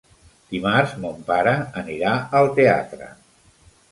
Dimarts mon pare anirà al teatre.